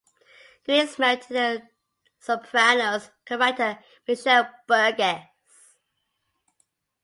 Green is married to "The Sopranos" co-writer Mitchell Burgess.